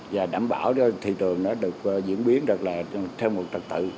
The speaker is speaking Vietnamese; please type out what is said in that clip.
và đảm bảo cho thị trường nó được diễn biến được là theo một trật tự